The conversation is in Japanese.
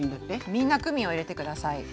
みんなクミンを入れて下さい。